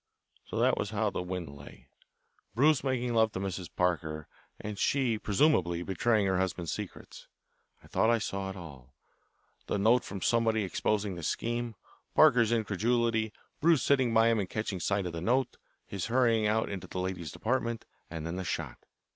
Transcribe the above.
So that was how the wind lay Bruce making love to Mrs. Parker and she presumably betraying her husband's secrets. I thought I saw it all: the note from somebody exposing the scheme, Parker's incredulity, Bruce sitting by him and catching sight of the note, his hurrying out into the ladies' department, and then the shot.